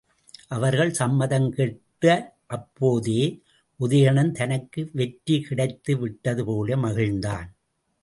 அவர்கள் சம்மதம் கேட்ட அப்போதே உதயணன் தனக்கு வெற்றி கிடைத்து விட்டதுபோல மகிழ்ந்தான்.